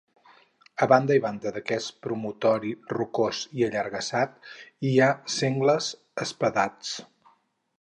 A banda i banda d'aquest promontori rocós i allargassat hi ha sengles espadats.